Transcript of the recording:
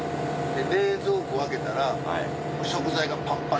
冷蔵庫開けたら食材がパンパン。